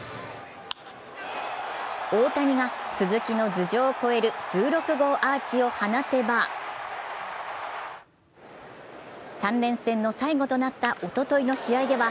大谷が鈴木の頭上を越える１６号アーチを放てば、３連戦の最後となったおとといの試合では、